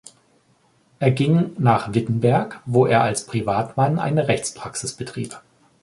Er ging nach Wittenberg, wo er als Privatmann eine Rechtspraxis betrieb.